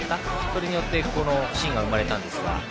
それによってこのシーンが生まれたんですが。